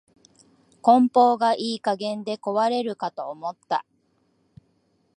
梱包がいい加減で壊れるかと思った